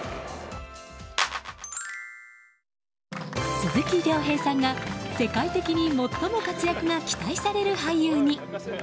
鈴木亮平さんが、世界的に最も活躍が期待される俳優に。